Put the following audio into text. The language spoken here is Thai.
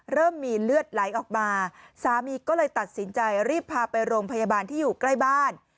เริ่มมีเลือดไหลออกมาสามีก็เลยตัดสินใจรีบพาไปโรงพยาบาลที่อยู่ใกล้บ้าน